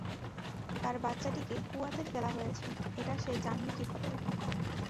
তার বাচ্চাটিকে কুয়াতে ফেলা হয়েছে, এটা সে জানল কীভাবে?